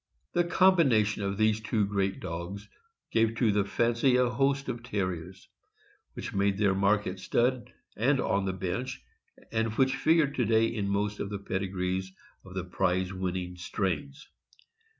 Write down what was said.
The combination of these two great dogs gave to the fancy a host of Terriers, which made their mark at stud and on the bench, and which figure to day in most of the pedigrees of the prize winning strains.